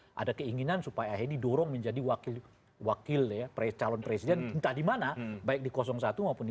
karena ada keinginan supaya ahedi dorong menjadi wakil calon presiden entah di mana baik di satu maupun di dua